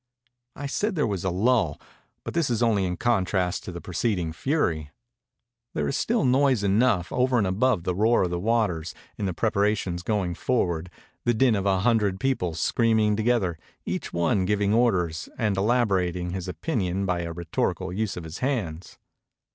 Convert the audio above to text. I said there was a lull, but this is only in contrast to the preceding fury. There is still noise enough, over and above the roar of the waters, in the preparations going forward, the din of a hundred people screaming together, each one giving orders, and elaborating his opinion by a rhetorical use of his hands.